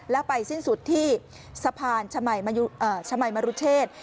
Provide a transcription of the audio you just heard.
แล้วไปสิ้นสุดที่สะพานชมัยมรุเชษ